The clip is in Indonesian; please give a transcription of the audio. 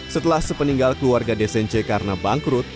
setelah sepeninggal keluarga de sence karena bangkrut